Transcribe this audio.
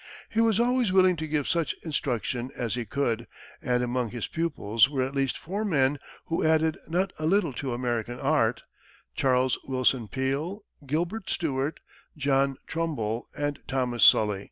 He was always willing to give such instruction as he could, and among his pupils were at least four men who added not a little to American art Charles Willson Peale, Gilbert Stuart, John Trumbull, and Thomas Sully.